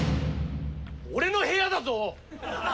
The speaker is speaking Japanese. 俺の部屋だぞ！？